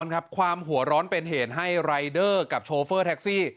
ครับความหัวร้อนเป็นเหตุให้รายเดอร์กับโชเฟอร์แท็กซี่